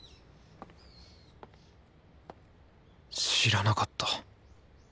知らなかった。